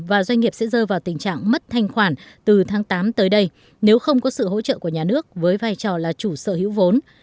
và doanh nghiệp sẽ rơi vào tình trạng mất thanh khoản từ tháng tám tới đây nếu không có sự hỗ trợ của nhà nước với vai trò là chủ sở hữu vốn